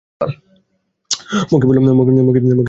মক্ষী বললে, তা কেমন করে বলব!